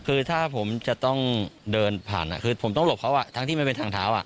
คือถ้าผมจะต้องเดินผ่านคือผมต้องหลบเขาทั้งที่มันเป็นทางเท้า